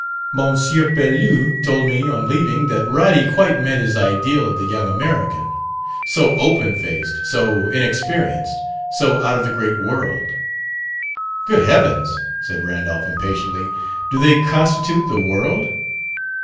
M. Pelouse told me, on leaving, that Roddy quite met his ideal of the young American. So open faced, so inexperienced, so out of the great world...." "Good heavens!" said Randolph impatiently. "Do they constitute the world?